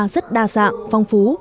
rất đa dạng phong phú